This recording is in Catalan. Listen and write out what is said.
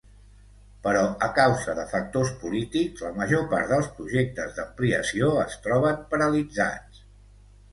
Però a causa de factors polítics, la major part dels projectes d'ampliació es troben paralitzats.